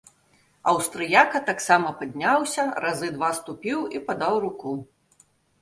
Аўстрыяка таксама падняўся, разы два ступіў і падаў руку.